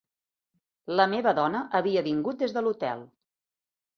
La meva dona havia vingut des de l'hotel